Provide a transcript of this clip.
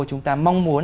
chúng ta mong muốn